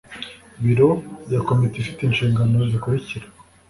Biro ya Komite ifite inshingano zikurikira